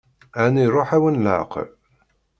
Ɛni iṛuḥ-awen leɛqel?